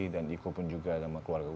iko pun juga sama keluarga